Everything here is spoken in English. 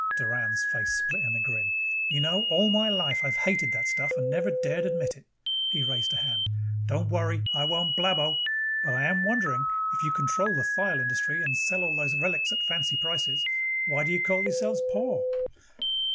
Doran's face split in a grin. "You know, all my life I've hated the stuff and never dared admit it!" He raised a hand. "Don't worry, I won't blabbo. But I am wondering, if you control the thyle industry and sell all those relics at fancy prices, why do you call yourselves poor?"